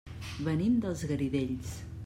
Venim dels Garidells.